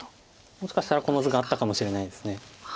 もしかしたらこの図があったかもしれないです。